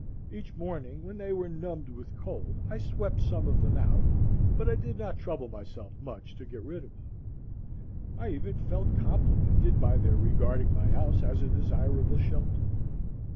Each morning, when they were numbed with cold, I swept some of them out, but I did not trouble myself much to get rid of them; I even felt complimented by their regarding my house as a desirable shelter.